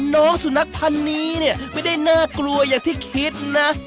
น้องสุนัขพันธ์นี้เนี่ยไม่ได้น่ากลัวอย่างที่คิดนะ